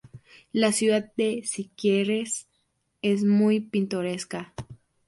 La ciudad de Siquirres es muy pintoresca.